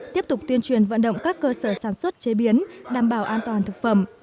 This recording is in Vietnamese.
tiếp tục tuyên truyền vận động các cơ sở sản xuất chế biến đảm bảo an toàn thực phẩm